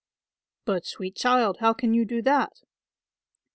"But, sweet child, how can you do that?"